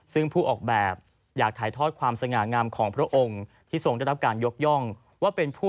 ซึ่งรูปที่ได้มาจากในวังก็ชุดนี้มีความสหงามแล้วก็